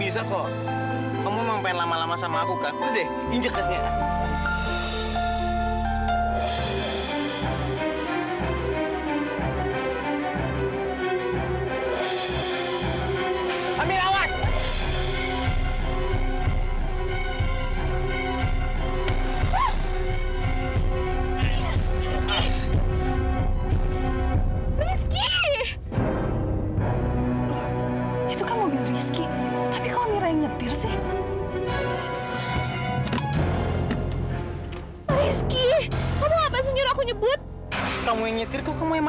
sampai jumpa di video selanjutnya